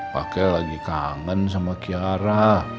pakai lagi kangen sama kiara